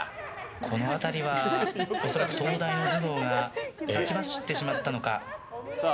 この辺りは恐らく東大の頭脳が先走ってしまったのか。